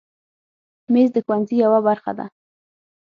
مېز د ښوونځي یوه برخه ده.